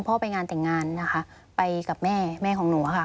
พ่อไปงานแต่งงานนะคะไปกับแม่แม่ของหนูค่ะ